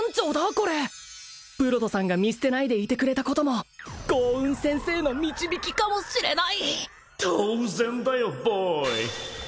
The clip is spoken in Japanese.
これブロドさんが見捨てないでいてくれたことも豪運先生の導きかもしれない当然だよボーイ